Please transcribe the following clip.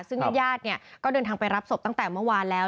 ซึ่งญาติญาติก็เดินทางไปรับศพตั้งแต่เมื่อวานแล้ว